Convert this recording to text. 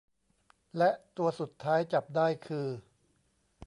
และตัวสุดท้ายจับได้คือ